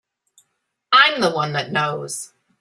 I'm the one that knows.